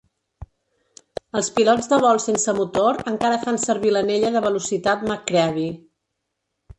Els pilots de vol sense motor encara fan servir l'anella de velocitat MacCready.